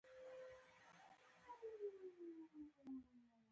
د کتاب موضوع د قرآن او ساینس په اړه وه.